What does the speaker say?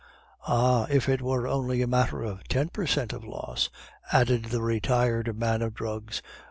Ah, if it were only a matter of ten per cent of loss ' added the retired man of drugs.